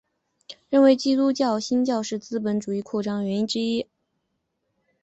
认为基督新教是资本主义扩展原因之一。